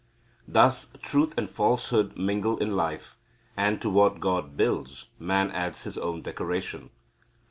Thus truth and falsehood mingle in life and to what God builds man adds his own decoration.